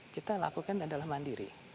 kita lakukan adalah mandiri